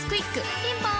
ピンポーン